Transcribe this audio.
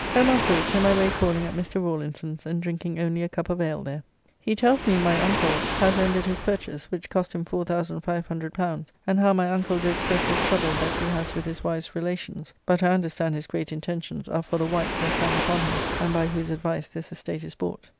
Home on foot, in my way calling at Mr. Rawlinson's and drinking only a cup of ale there. He tells me my uncle has ended his purchase, which cost him L4,500, and how my uncle do express his trouble that he has with his wife's relations, but I understand his great intentions are for the Wights that hang upon him and by whose advice this estate is bought.